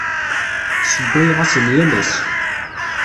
Ssewwayeɣ-asen yal ass.